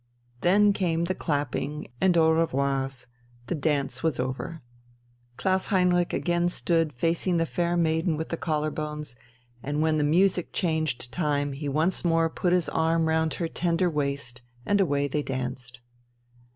Then came the clapping and au revoirs; the dance was over. Klaus Heinrich again stood facing the fair maiden with the collar bones, and when the music changed time he once more put his arm round her tender waist, and away they danced.